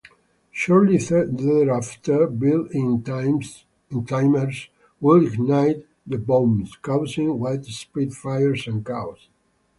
Shortly thereafter, built-in timers would ignite the bombs, causing widespread fires and chaos.